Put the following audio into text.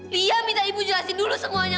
lia minta ibu justin dulu semuanya